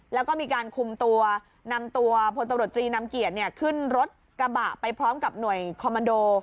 แล้วก็มีการคุมตัวนำตัวพลตำรวจตรีนำเกียจขึ้นรถกระบะไปพร้อมกับหน่วยคอมมันโด